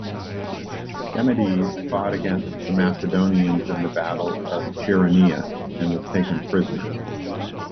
Demades fought against the Macedonians in the Battle of Chaeronea, and was taken prisoner.